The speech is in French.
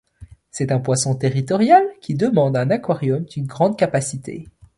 C'est un poisson territorial qui demande un aquarium d'une grande capacité.